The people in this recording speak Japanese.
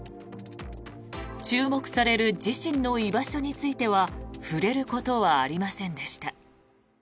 注目される自身の居場所については触れることはありませんでした。